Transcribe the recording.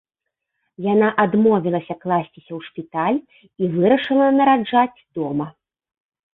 Яна адмовілася класціся ў шпіталь і вырашыла нараджаць дома.